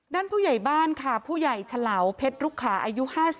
ผู้ใหญ่บ้านค่ะผู้ใหญ่เฉลาวเพชรลุกขาอายุ๕๓